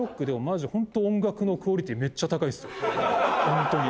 ホントに。